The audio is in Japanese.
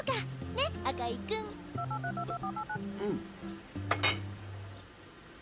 ねっ赤井君♥ううん。